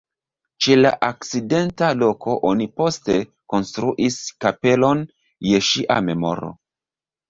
Ĉe la akcidenta loko oni poste konstruis kapelon je ŝia memoro.